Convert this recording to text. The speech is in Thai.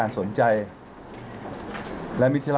พร้อมแล้วเลยค่ะ